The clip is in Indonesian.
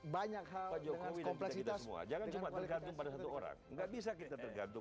banyak hal kita semua jangan cuma tergantung pada satu orang nggak bisa kita tergantung